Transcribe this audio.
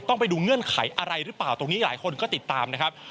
ไปดูเงื่อนไขอะไรหรือเปล่าตรงนี้หลายคนก็ติดตามนะครับ